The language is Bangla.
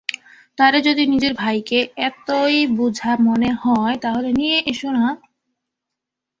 তারে, যদি নিজের ভাইকে এতোই বোঝা মনে হয়, তাহলে নিয়ো না!